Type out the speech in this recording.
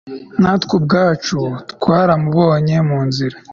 natwe ubwacu twaramubonye munzira